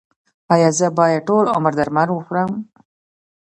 ایا زه باید ټول عمر درمل وخورم؟